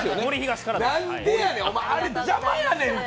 何でやねん、あれ邪魔やねんて。